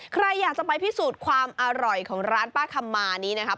ใครอยากจะไปพิสูจน์ความอร่อยของร้านป้าคำมานี้นะครับ